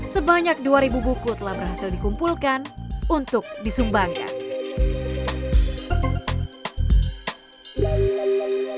sebanyak dua ribu buku telah berhasil dikumpulkan untuk disumbangkan